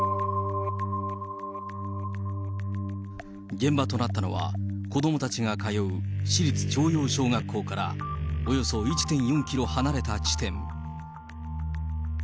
現場となったのは、子どもたちが通う市立朝陽小学校からおよそ１．４キロ離れた地点。